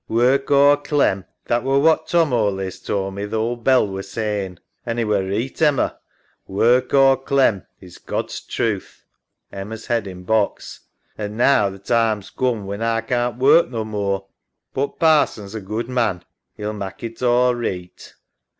"Work or Clem," that were what Tom allays tould me th' ould bell were sayin'. An' 'e were reeght, Emma, "Work or Clem" is God's truth. (Emma's head in box) An' now th' time's coom when A can't work no more. But Parson's a good man, 'e'll mak' it all reeght.